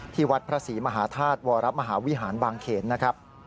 วัดพระศรีมหาธาตุวรมหาวิหารบางเขนนะครับ